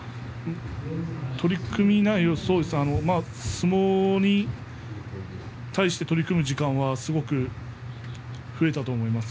相撲に対して取り組む時間は増えたと思います。